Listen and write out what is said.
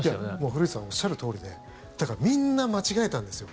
古市さんおっしゃるとおりでだから、みんな間違えたんですよ